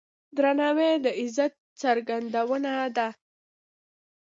درناوی د عزت څرګندونه ده.